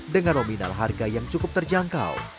dengan nominal harga yang cukup terjangkau